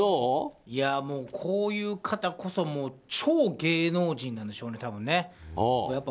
こういう方こそ超芸能人なんでしょうね、多分ね。